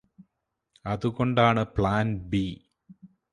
അതുകൊണ്ടാണ് plan B